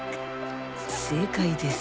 正解です